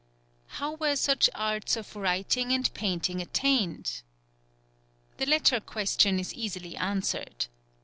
How were such arts of writing and painting attained? The latter question is easily answered.